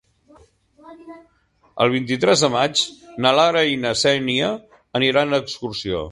El vint-i-tres de maig na Lara i na Xènia aniran d'excursió.